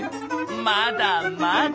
まだまだ！